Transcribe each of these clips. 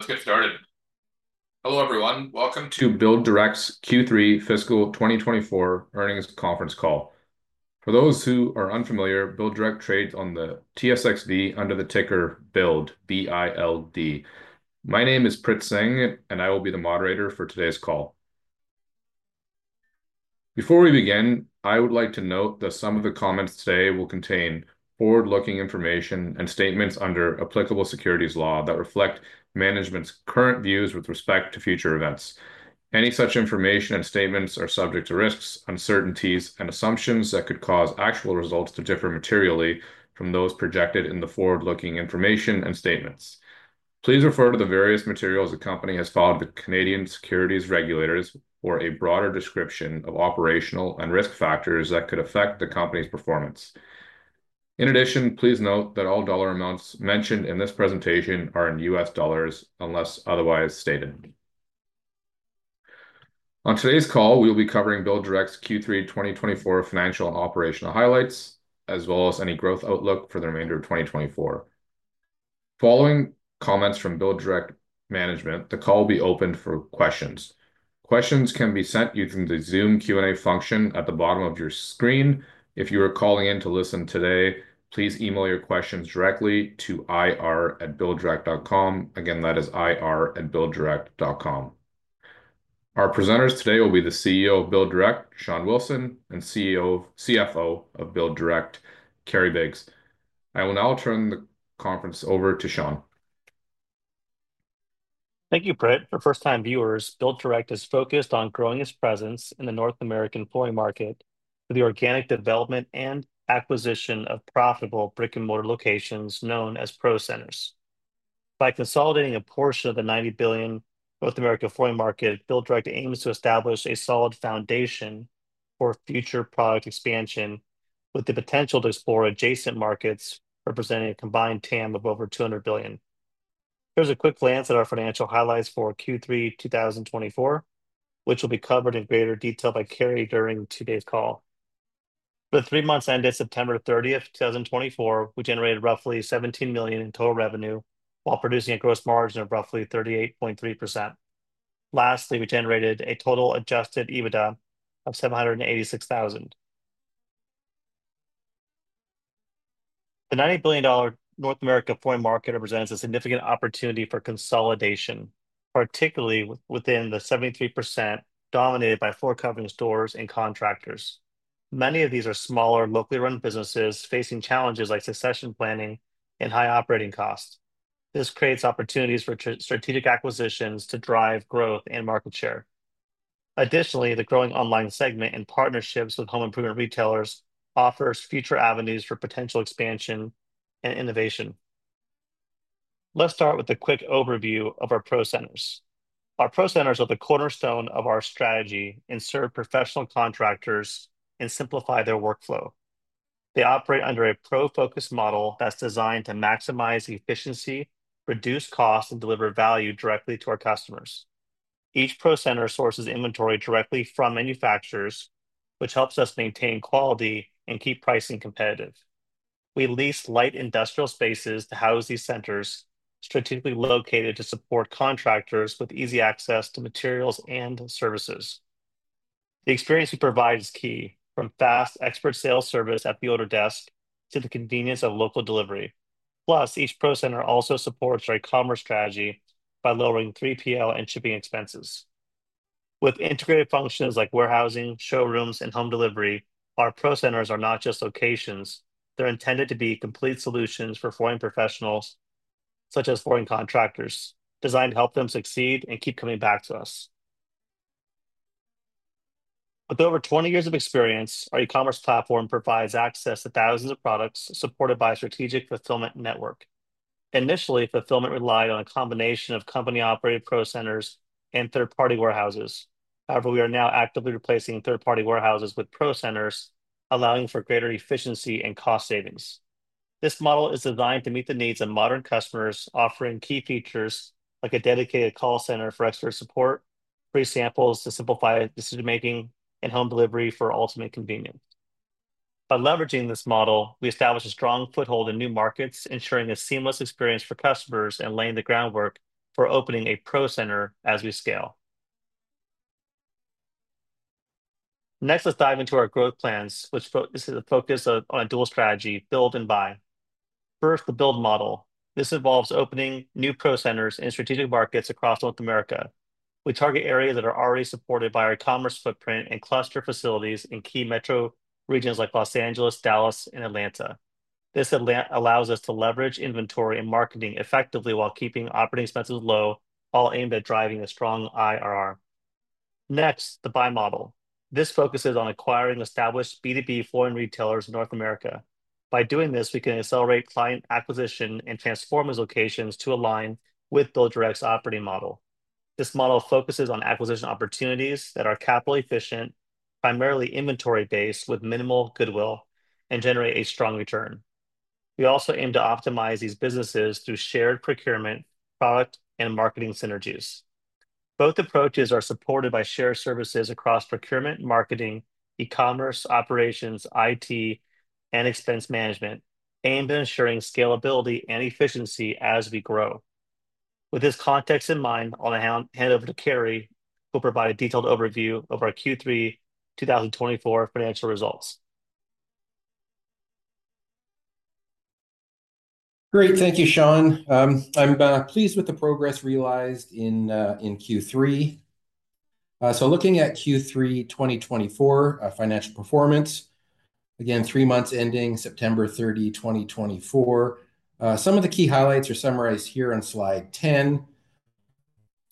Let's get started. Hello, everyone. Welcome to BuildDirect's Q3 Fiscal 2024 earnings conference call. For those who are unfamiliar, BuildDirect trades on the TSXV under the ticker BILD, B-I-L-D. My name is Prit Singh, and I will be the moderator for today's call. Before we begin, I would like to note that some of the comments today will contain forward-looking information and statements under applicable securities law that reflect management's current views with respect to future events. Any such information and statements are subject to risks, uncertainties, and assumptions that could cause actual results to differ materially from those projected in the forward-looking information and statements. Please refer to the various materials the company has filed with Canadian securities regulators for a broader description of operational and risk factors that could affect the company's performance. In addition, please note that all dollar amounts mentioned in this presentation are in U.S. dollars unless otherwise stated. On today's call, we will be covering BuildDirect's Q3 2024 financial and operational highlights, as well as any growth outlook for the remainder of 2024. Following comments from BuildDirect management, the call will be open for questions. Questions can be sent using the Zoom Q&A function at the bottom of your screen. If you are calling in to listen today, please email your questions directly to ir@builddirect.com. Again, that is ir@builddirect.com. Our presenters today will be the CEO of BuildDirect, Shawn Wilson, and CFO of BuildDirect, Kerry Biggs. I will now turn the conference over to Shawn. Thank you, Prit. For first-time viewers, BuildDirect is focused on growing its presence in the North American flooring market through the organic development and acquisition of profitable brick-and-mortar locations known as Pro Centers. By consolidating a portion of the $90 billion North America flooring market, BuildDirect aims to establish a solid foundation for future product expansion, with the potential to explore adjacent markets representing a combined TAM of over $200 billion. Here's a quick glance at our financial highlights for Q3 2024, which will be covered in greater detail by Kerry during today's call. For the three months ended September 30th, 2024, we generated roughly $17 million in total revenue while producing a gross margin of roughly 38.3%. Lastly, we generated a total adjusted EBITDA of $786,000. The $90 billion North America flooring market represents a significant opportunity for consolidation, particularly within the 73% dominated by floor covering stores and contractors. Many of these are smaller, locally run businesses facing challenges like succession planning and high operating costs. This creates opportunities for strategic acquisitions to drive growth and market share. Additionally, the growing online segment and partnerships with home improvement retailers offer future avenues for potential expansion and innovation. Let's start with a quick overview of our Pro Centers. Our Pro Centers are the cornerstone of our strategy and serve professional contractors and simplify their workflow. They operate under a pro-focused model that's designed to maximize efficiency, reduce costs, and deliver value directly to our customers. Each Pro Center sources inventory directly from manufacturers, which helps us maintain quality and keep pricing competitive. We lease light industrial spaces to house these centers, strategically located to support contractors with easy access to materials and services. The experience we provide is key, from fast expert sales service at the order desk to the convenience of local delivery. Plus, each Pro Center also supports our e-commerce strategy by lowering 3PL and shipping expenses. With integrated functions like warehousing, showrooms, and home delivery, our Pro Centers are not just locations. They're intended to be complete solutions for flooring professionals, such as flooring contractors, designed to help them succeed and keep coming back to us. With over 20 years of experience, our e-commerce platform provides access to thousands of products supported by a strategic fulfillment network. Initially, fulfillment relied on a combination of company-operated Pro Centers and third-party warehouses. However, we are now actively replacing third-party warehouses with Pro Centers, allowing for greater efficiency and cost savings. This model is designed to meet the needs of modern customers, offering key features like a dedicated call center for expert support, free samples to simplify decision-making, and home delivery for ultimate convenience. By leveraging this model, we establish a strong foothold in new markets, ensuring a seamless experience for customers and laying the groundwork for opening a Pro Center as we scale. Next, let's dive into our growth plans, which focus on a dual strategy: Build and Buy. First, the Build model. This involves opening new Pro Centers in strategic markets across North America. We target areas that are already supported by our e-commerce footprint and cluster facilities in key metro regions like Los Angeles, Dallas, and Atlanta. This allows us to leverage inventory and marketing effectively while keeping operating expenses low, all aimed at driving a strong IRR. Next, the Buy model. This focuses on acquiring established B2B flooring retailers in North America. By doing this, we can accelerate client acquisition and transform those locations to align with BuildDirect's operating model. This model focuses on acquisition opportunities that are capital-efficient, primarily inventory-based, with minimal goodwill, and generate a strong return. We also aim to optimize these businesses through shared procurement, product, and marketing synergies. Both approaches are supported by shared services across procurement, marketing, e-commerce, operations, IT, and expense management, aimed at ensuring scalability and efficiency as we grow. With this context in mind, I'll hand over to Kerry, who will provide a detailed overview of our Q3 2024 financial results. Great. Thank you, Shawn. I'm pleased with the progress realized in Q3. So looking at Q3 2024 financial performance, again, three months ending September 30, 2024, some of the key highlights are summarized here on slide 10,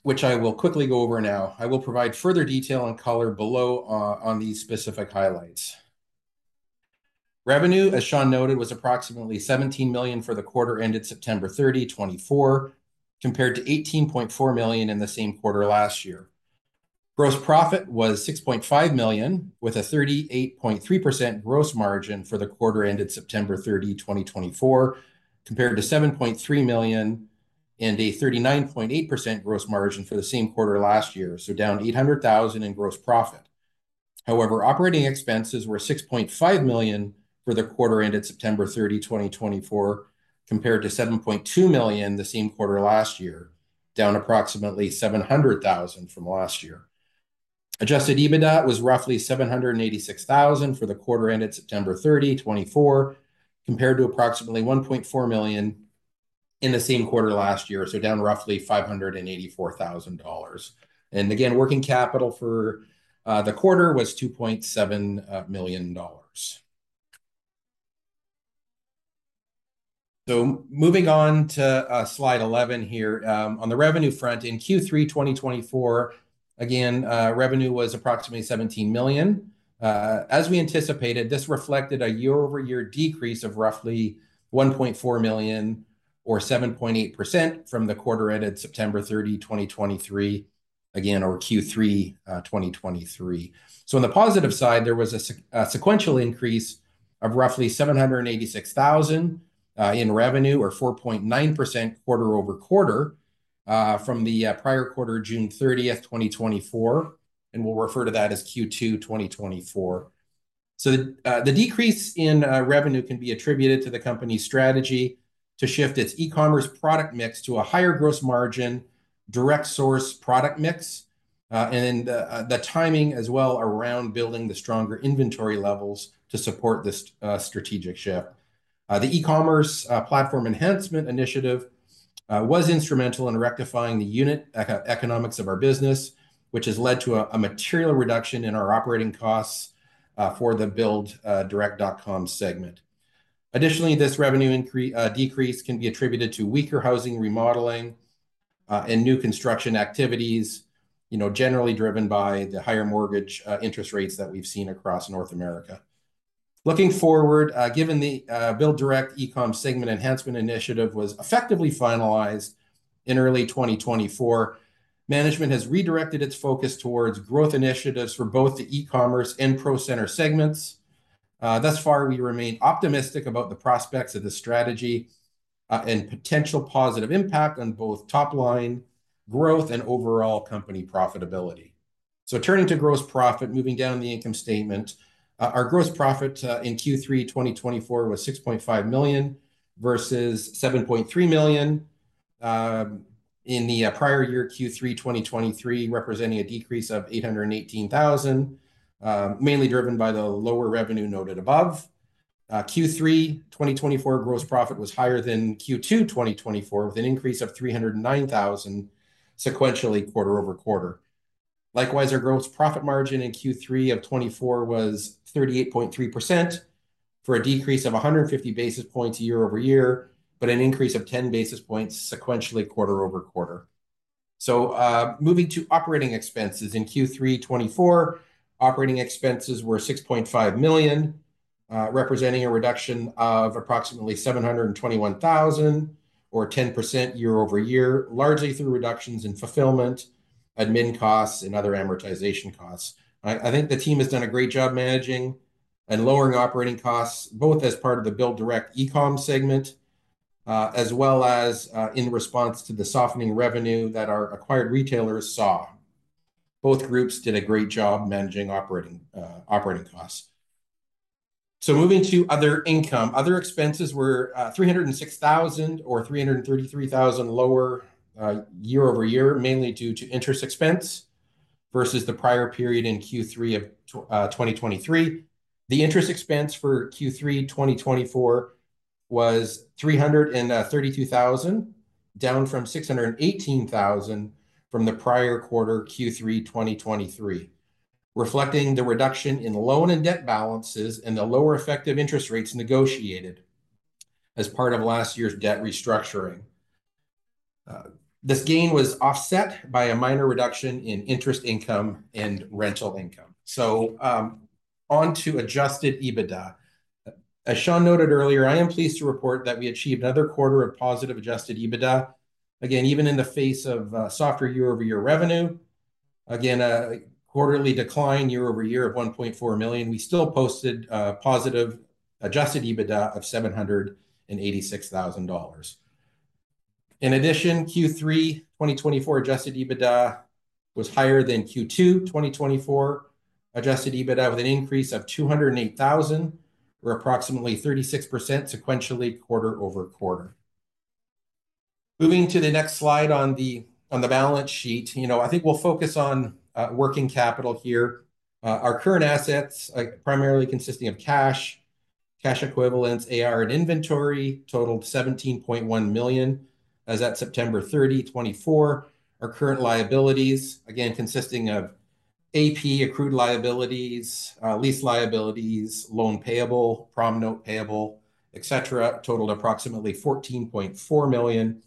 which I will quickly go over now. I will provide further detail and color below on these specific highlights. Revenue, as Shawn noted, was approximately $17 million for the quarter ended September 30, 2024, compared to $18.4 million in the same quarter last year. Gross profit was $6.5 million, with a 38.3% gross margin for the quarter ended September 30, 2024, compared to $7.3 million and a 39.8% gross margin for the same quarter last year, so down $800,000 in gross profit. However, operating expenses were $6.5 million for the quarter ended September 30, 2024, compared to $7.2 million the same quarter last year, down approximately $700,000 from last year. Adjusted EBITDA was roughly $786,000 for the quarter ended September 30, 2024, compared to approximately $1.4 million in the same quarter last year, so down roughly $584,000, and again, working capital for the quarter was $2.7 million, so moving on to slide 11 here. On the revenue front, in Q3 2024, again, revenue was approximately $17 million. As we anticipated, this reflected a year-over-year decrease of roughly $1.4 million, or 7.8%, from the quarter ended September 30, 2023, again, or Q3 2023, so on the positive side, there was a sequential increase of roughly $786,000 in revenue, or 4.9% quarter-over-quarter, from the prior quarter, June 30, 2024, and we'll refer to that as Q2 2024. So the decrease in revenue can be attributed to the company's strategy to shift its e-commerce product mix to a higher gross margin, direct-source product mix, and then the timing as well around building the stronger inventory levels to support this strategic shift. The e-commerce platform enhancement initiative was instrumental in rectifying the unit economics of our business, which has led to a material reduction in our operating costs for the BuildDirect.com segment. Additionally, this revenue decrease can be attributed to weaker housing remodeling and new construction activities, generally driven by the higher mortgage interest rates that we've seen across North America. Looking forward, given the BuildDirect e-com segment enhancement initiative was effectively finalized in early 2024, management has redirected its focus towards growth initiatives for both the e-commerce and Pro Center segments. Thus far, we remain optimistic about the prospects of the strategy and potential positive impact on both top-line growth and overall company profitability. So turning to gross profit, moving down the income statement, our gross profit in Q3 2024 was $6.5 million versus $7.3 million in the prior year, Q3 2023, representing a decrease of $818,000, mainly driven by the lower revenue noted above. Q3 2024 gross profit was higher than Q2 2024, with an increase of $309,000 sequentially quarter-over-quarter. Likewise, our gross profit margin in Q3 of 2024 was 38.3% for a decrease of 150 basis points year over year, but an increase of 10 basis points sequentially quarter-over-quarter. So moving to operating expenses in Q3 2024, operating expenses were $6.5 million, representing a reduction of approximately $721,000, or 10% year-over-year, largely through reductions in fulfillment, admin costs, and other amortization costs. I think the team has done a great job managing and lowering operating costs, both as part of the BuildDirect e-com segment as well as in response to the softening revenue that our acquired retailers saw. Both groups did a great job managing operating costs, so moving to other income, other expenses were $306,000 or $333,000 lower year-over-year, mainly due to interest expense versus the prior period in Q3 of 2023. The interest expense for Q3 2024 was $332,000, down from $618,000 from the prior quarter, Q3 2023, reflecting the reduction in loan and debt balances and the lower effective interest rates negotiated as part of last year's debt restructuring. This gain was offset by a minor reduction in interest income and rental income, so on to Adjusted EBITDA. As Shawn noted earlier, I am pleased to report that we achieved another quarter of positive Adjusted EBITDA. Again, even in the face of softer year-over-year revenue, again, a quarterly decline year-over-year of $1.4 million, we still posted positive Adjusted EBITDA of $786,000. In addition, Q3 2024 Adjusted EBITDA was higher than Q2 2024 Adjusted EBITDA with an increase of $208,000, or approximately 36% sequentially quarter-over-quarter. Moving to the next slide on the balance sheet, I think we'll focus on working capital here. Our current assets primarily consisting of cash, cash equivalents, AR, and inventory totaled $17.1 million as of September 30, 2024. Our current liabilities, again, consisting of AP, accrued liabilities, lease liabilities, loan payable, prom note payable, etc., totaled approximately $14.4 million.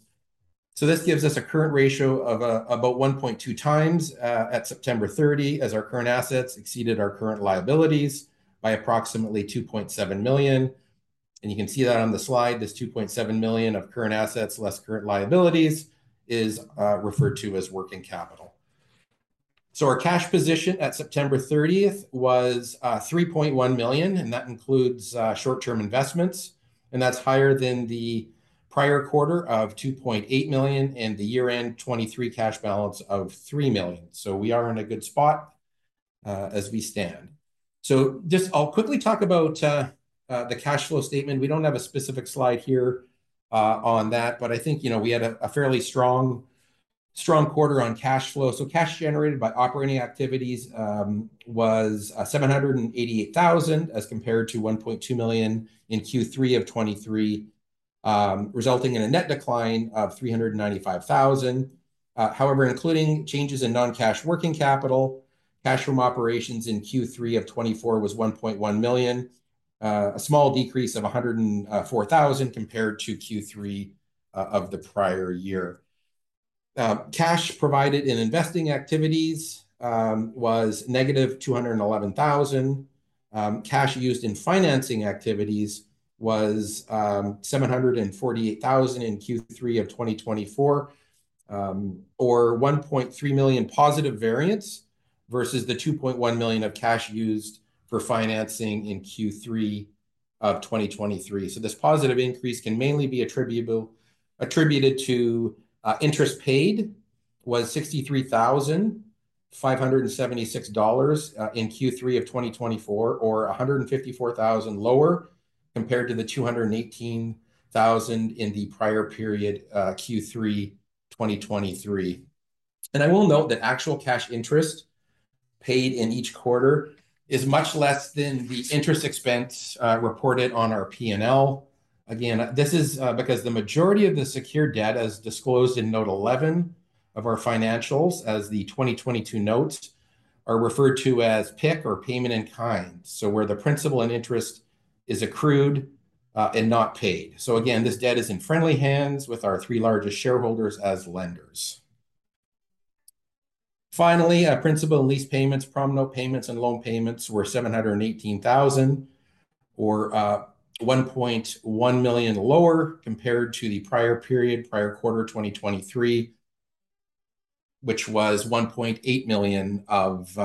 So this gives us a current ratio of about 1.2x at September 30, 2024 as our current assets exceeded our current liabilities by approximately $2.7 million. You can see that on the slide, this $2.7 million of current assets less current liabilities is referred to as working capital. So our cash position at September 30th was $3.1 million, and that includes short-term investments, and that's higher than the prior quarter of $2.8 million and the year-end 2023 cash balance of $3 million. So we are in a good spot as we stand. So just I'll quickly talk about the cash flow statement. We don't have a specific slide here on that, but I think we had a fairly strong quarter on cash flow. So cash generated by operating activities was $788,000 as compared to $1.2 million in Q3 of 2023, resulting in a net decline of $395,000. However, including changes in non-cash working capital, cash from operations in Q3 of 2024 was $1.1 million, a small decrease of $104,000 compared to Q3 of the prior year. Cash provided in investing activities was negative $211,000. Cash used in financing activities was $748,000 in Q3 of 2024, or $1.3 million positive variance versus the $2.1 million of cash used for financing in Q3 of 2023. So this positive increase can mainly be attributed to interest paid was $63,576 in Q3 of 2024, or $154,000 lower compared to the $218,000 in the prior period, Q3 2023, and I will note that actual cash interest paid in each quarter is much less than the interest expense reported on our P&L. Again, this is because the majority of the secured debt as disclosed in Note 11 of our financials as the 2022 notes are referred to as PIK or payment in kind, so where the principal and interest is accrued and not paid. So again, this debt is in friendly hands with our three largest shareholders as lenders. Finally, principal and lease payments, prom note payments, and loan payments were $718,000, or $1.1 million lower compared to the prior period, prior quarter 2023, which was $1.8 million of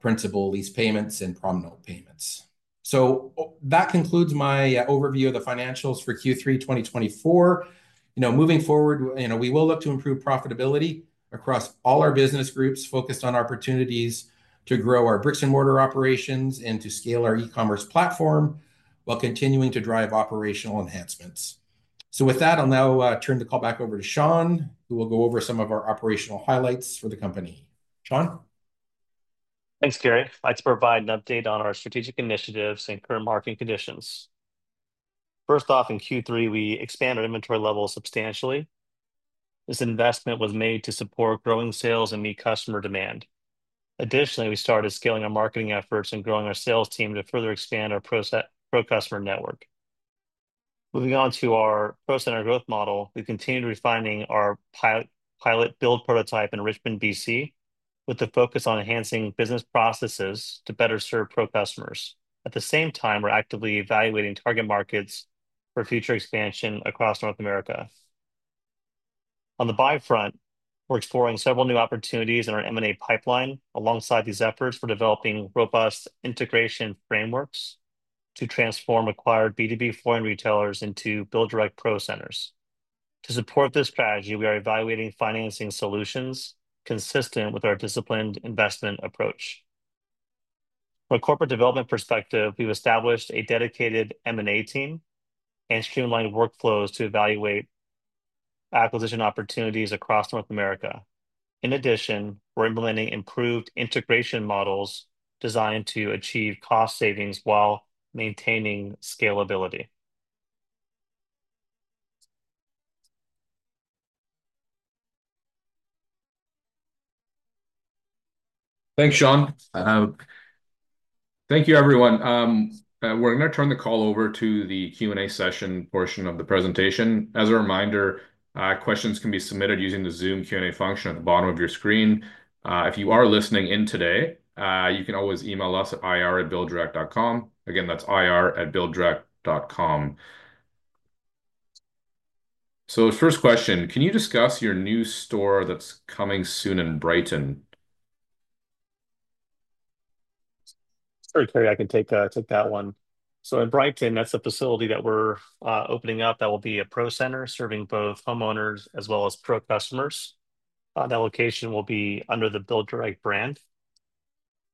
principal lease payments and prom note payments. So that concludes my overview of the financials for Q3 2024. Moving forward, we will look to improve profitability across all our business groups focused on opportunities to grow our bricks-and-mortar operations and to scale our e-commerce platform while continuing to drive operational enhancements. So with that, I'll now turn the call back over to Shawn, who will go over some of our operational highlights for the company. Shawn? Thanks, Kerry. I'd like to provide an update on our strategic initiatives and current marketing conditions. First off, in Q3, we expanded our inventory level substantially. This investment was made to support growing sales and meet customer demand. Additionally, we started scaling our marketing efforts and growing our sales team to further expand our pro customer network. Moving on to our Pro Center growth model, we continued refining our pilot BuildDirect prototype in Richmond, BC, with the focus on enhancing business processes to better serve pro customers. At the same time, we're actively evaluating target markets for future expansion across North America. On the buy front, we're exploring several new opportunities in our M&A pipeline alongside these efforts for developing robust integration frameworks to transform acquired B2B flooring retailers into BuildDirect Pro Centers. To support this strategy, we are evaluating financing solutions consistent with our disciplined investment approach. From a corporate development perspective, we've established a dedicated M&A team and streamlined workflows to evaluate acquisition opportunities across North America. In addition, we're implementing improved integration models designed to achieve cost savings while maintaining scalability. Thanks, Shawn. Thank you, everyone. We're going to turn the call over to the Q&A session portion of the presentation. As a reminder, questions can be submitted using the Zoom Q&A function at the bottom of your screen. If you are listening in today, you can always email us at ir@builddirect.com. Again, that's ir@builddirect.com. So first question, can you discuss your new store that's coming soon in Brighton? Sure, Kerry, I can take that one. So in Brighton, that's the facility that we're opening up that will be a Pro Center serving both homeowners as well as pro customers. That location will be under the BuildDirect brand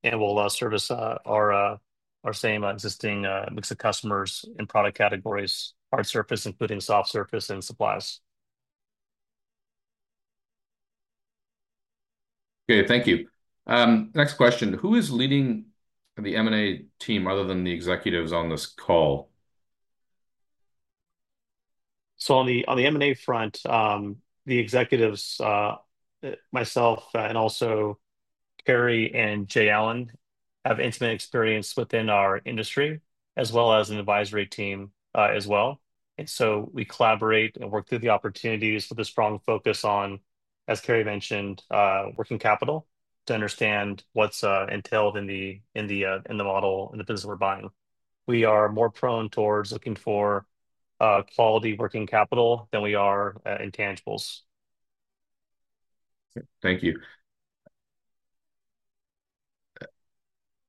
and will service our same existing mix of customers and product categories, hard surface, including soft surface and supplies. Okay, thank you. Next question, who is leading the M&A team other than the executives on this call? So on the M&A front, the executives, myself, and also Kerry and Jay Allen, have intimate experience within our industry as well as an advisory team as well. And so we collaborate and work through the opportunities with a strong focus on, as Kerry mentioned, working capital to understand what's entailed in the model and the business we're buying. We are more prone towards looking for quality working capital than we are intangibles. Thank you.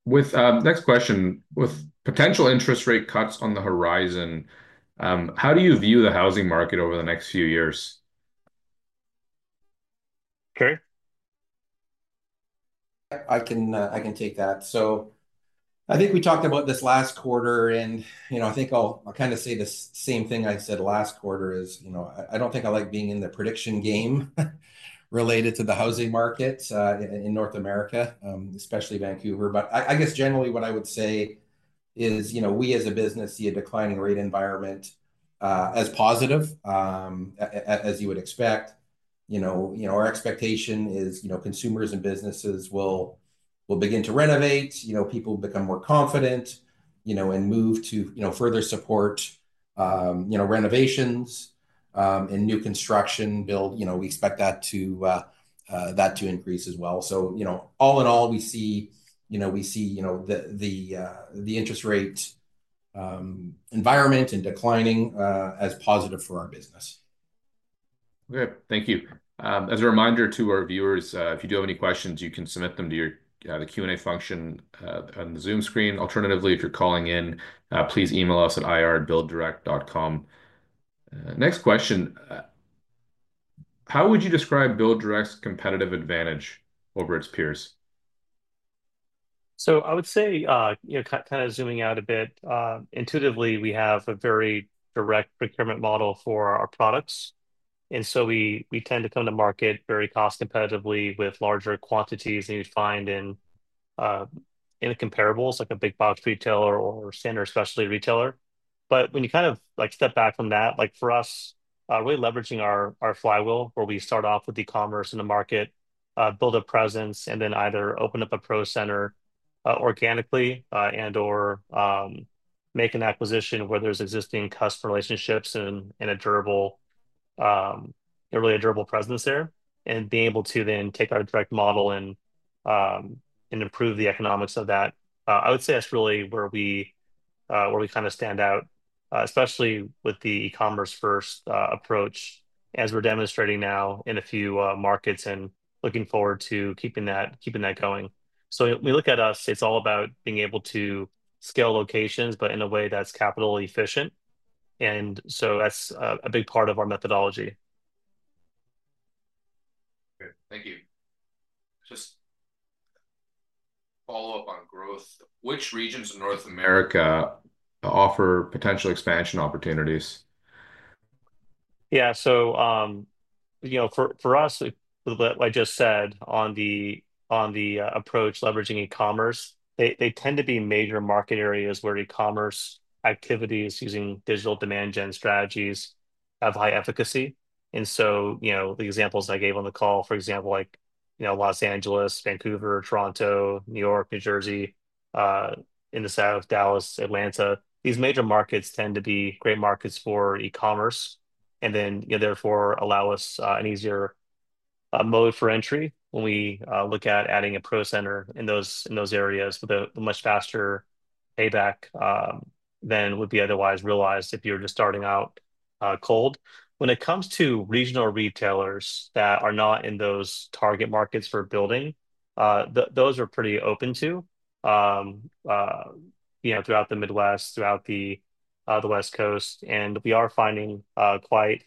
Next question, with potential interest rate cuts on the horizon, how do you view the housing market over the next few years? Kerry? I can take that. So I think we talked about this last quarter, and I think I'll kind of say the same thing I said last quarter is I don't think I like being in the prediction game related to the housing markets in North America, especially Vancouver. But I guess generally what I would say is we as a business see a declining rate environment as positive, as you would expect. Our expectation is consumers and businesses will begin to renovate. People become more confident and move to further support renovations and new construction. We expect that to increase as well. So all in all, we see the interest rate environment and declining as positive for our business. Okay, thank you. As a reminder to our viewers, if you do have any questions, you can submit them to the Q&A function on the Zoom screen. Alternatively, if you're calling in, please email us at ir@builddirect.com. Next question, how would you describe BuildDirect's competitive advantage over its peers? So I would say, kind of zooming out a bit, intuitively, we have a very direct procurement model for our products. And so we tend to come to market very cost competitively with larger quantities than you'd find in comparables like a big box retailer or standard specialty retailer. But when you kind of step back from that, for us, really leveraging our flywheel where we start off with e-commerce in the market, build a presence, and then either open up a Pro Center organically and/or make an acquisition where there's existing customer relationships and a really durable presence there, and being able to then take our direct model and improve the economics of that. I would say that's really where we kind of stand out, especially with the e-commerce-first approach as we're demonstrating now in a few markets and looking forward to keeping that going. So when we look at us, it's all about being able to scale locations, but in a way that's capital efficient. And so that's a big part of our methodology. Okay, thank you. Just follow up on growth. Which regions in North America offer potential expansion opportunities? Yeah, so for us, like I just said, on the approach leveraging e-commerce, they tend to be major market areas where e-commerce activities using digital demand gen strategies have high efficacy, and so the examples I gave on the call, for example, like Los Angeles, Vancouver, Toronto, New York, New Jersey, in the south, Dallas, Atlanta, these major markets tend to be great markets for e-commerce and then therefore allow us an easier mode for entry when we look at adding a Pro Center in those areas with a much faster payback than would be otherwise realized if you're just starting out cold. When it comes to regional retailers that are not in those target markets for building, those are pretty open too throughout the Midwest, throughout the West Coast. We are finding quite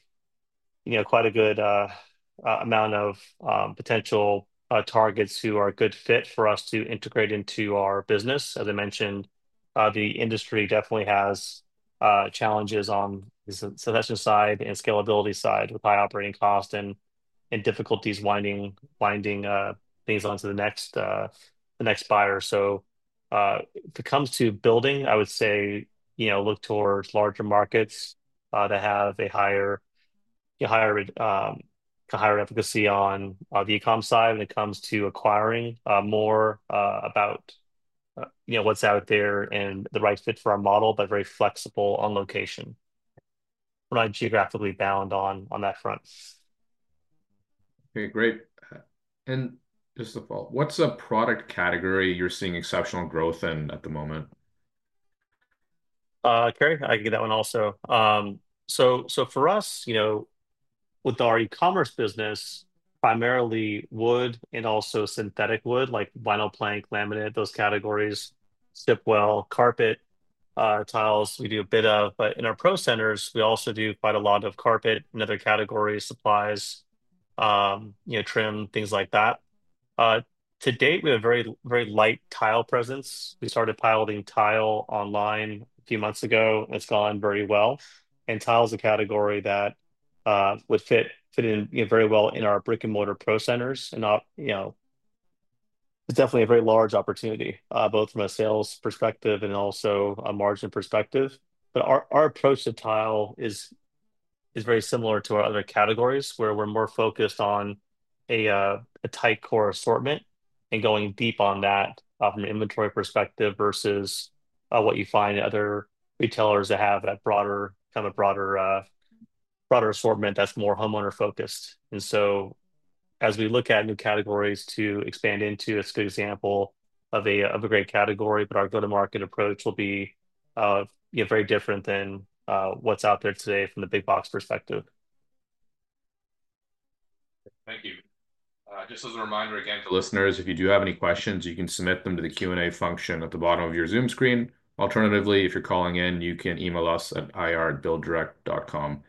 a good amount of potential targets who are a good fit for us to integrate into our business. As I mentioned, the industry definitely has challenges on the succession side and scalability side with high operating costs and difficulties winding things onto the next buyer. If it comes to building, I would say look towards larger markets that have a higher efficacy on the e-com side. When it comes to acquiring, more about what's out there and the right fit for our model, but very flexible on location. We're not geographically bound on that front. Okay, great. And just a follow-up, what's a product category you're seeing exceptional growth in at the moment? Kerry, I can get that one also. So for us, with our e-commerce business, primarily wood and also synthetic wood like vinyl plank, laminate, those categories, as well, carpet tiles, we do a bit of. But in our Pro Centers, we also do quite a lot of carpet and other categories, supplies, trim, things like that. To date, we have a very light tile presence. We started piloting tile online a few months ago. It's gone very well. And tile is a category that would fit in very well in our brick and mortar Pro Centers. And it's definitely a very large opportunity both from a sales perspective and also a margin perspective. But our approach to tile is very similar to our other categories where we're more focused on a tight core assortment and going deep on that from an inventory perspective versus what you find in other retailers that have a broader assortment that's more homeowner-focused. And so as we look at new categories to expand into, it's a good example of a great category, but our go-to-market approach will be very different than what's out there today from the big box perspective. Thank you. Just as a reminder again to listeners, if you do have any questions, you can submit them to the Q&A function at the bottom of your Zoom screen. Alternatively, if you're calling in, you can email us at ir@builddirect.com.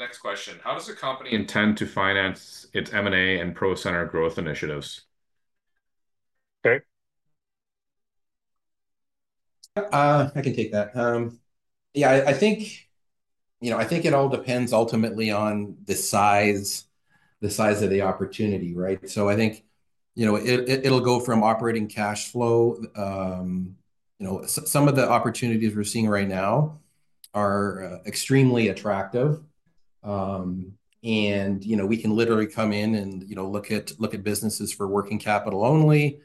Next question, how does a company intend to finance its M&A and Pro Center growth initiatives? Kerry? I can take that. Yeah, I think it all depends ultimately on the size of the opportunity, right? So I think it'll go from operating cash flow. Some of the opportunities we're seeing right now are extremely attractive. And we can literally come in and look at businesses for working capital only,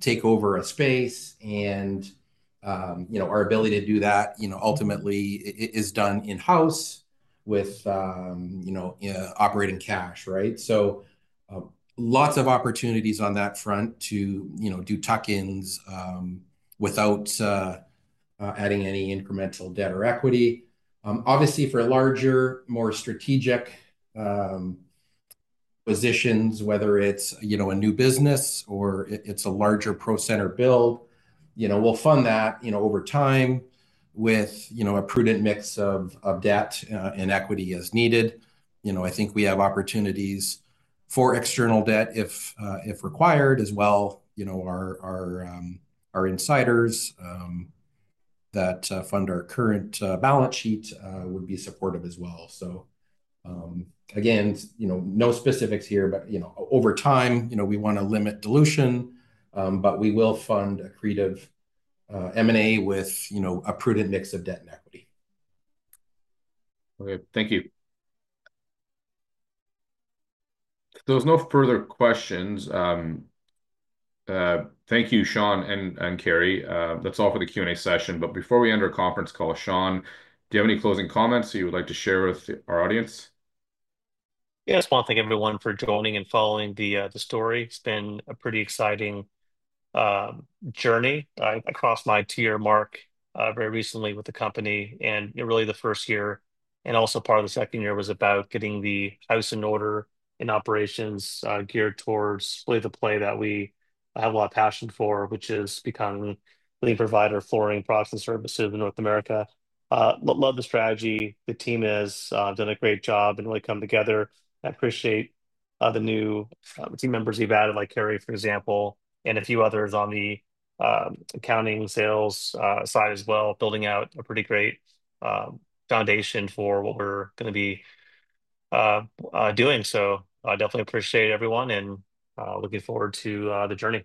take over a space. And our ability to do that ultimately is done in-house with operating cash, right? So lots of opportunities on that front to do tuck-ins without adding any incremental debt or equity. Obviously, for larger, more strategic positions, whether it's a new business or it's a larger Pro Center build, we'll fund that over time with a prudent mix of debt and equity as needed. I think we have opportunities for external debt if required as well. Our insiders that fund our current balance sheet would be supportive as well. So again, no specifics here, but over time, we want to limit dilution, but we will fund accretive M&A with a prudent mix of debt and equity. Okay, thank you. If there's no further questions, thank you, Shawn and Kerry. That's all for the Q&A session. But before we end our conference call, Shawn, do you have any closing comments you would like to share with our audience? Yeah, I just want to thank everyone for joining and following the story. It's been a pretty exciting journey. I crossed my two-year mark very recently with the company, and really the first year and also part of the second year was about getting the house in order and operations geared towards really the play that we have a lot of passion for, which is becoming a leading provider of flooring products and services in North America. Love the strategy. The team has done a great job and really come together. I appreciate the new team members we've added, like Kerry, for example, and a few others on the accounting sales side as well, building out a pretty great foundation for what we're going to be doing, so definitely appreciate everyone and looking forward to the journey.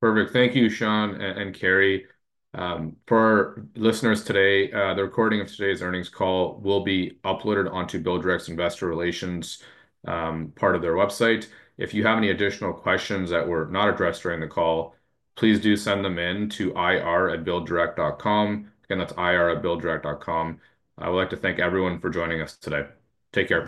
Perfect. Thank you, Shawn and Kerry. For our listeners today, the recording of today's earnings call will be uploaded onto BuildDirect's investor relations part of their website. If you have any additional questions that were not addressed during the call, please do send them in to ir@builddirect.com. Again, that's ir@builddirect.com. I would like to thank everyone for joining us today. Take care.